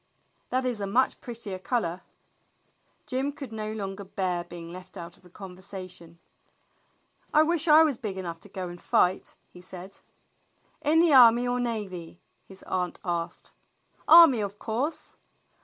"That is a much prettier color." Jim could no longer bear being left out of the con versation. "I wish I was big enough to go and fight," he said. "In the army or navy?" his aunt asked. "Army, of course."